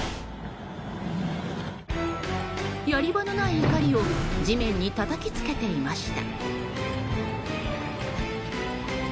やり場のない怒りを地面にたたきつけていました。